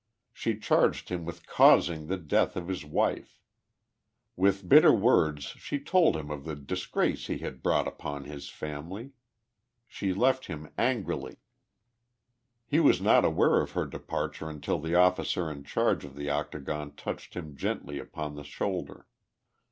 She charged him with causing the death of his wife. With bitter words she told him of the disgrace he had brought upon his family. She left him angrily. 29 THE LIFE OF JESSE HAKDIXG POMEPOY. lie was not aware of her departure until the officer in charge ft of the octagon touched him gently upon the shoulder.